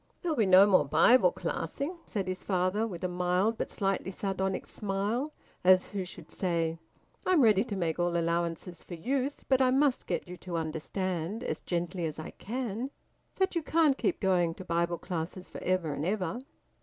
"There'll be no more Bible classing," said his father, with a mild but slightly sardonic smile, as who should say: "I'm ready to make all allowances for youth; but I must get you to understand, as gently as I can, that you can't keep on going to Bible classes for ever and ever."